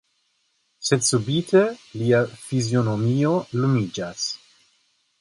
Sed subite lia fizionomio lumiĝis.